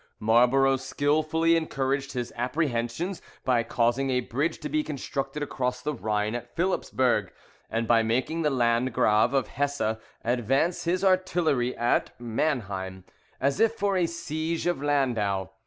Marlborough skilfully encouraged his apprehensions by causing a bridge to be constructed across the Rhine at Philipsburg, and by making the Landgrave of Hesse advance his artillery at Manheim, as if for a siege of Landau.